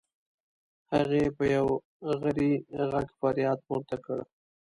هغې په یو غری غږ فریاد پورته کړ.